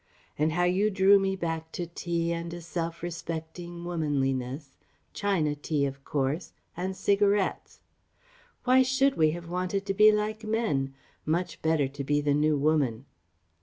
And how you drew me back to tea and a self respecting womanliness China tea, of course, and cigarettes. Why should we have wanted to be like men?... much better to be the New Woman....